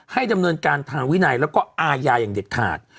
ให้ดำเนินการทางวินัยแล้วก็อาญาอย่างเด็ดขาด